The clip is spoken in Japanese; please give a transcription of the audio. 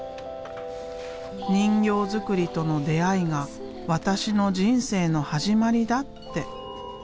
「人形作りとの出会いが私の人生の始まりだ」って。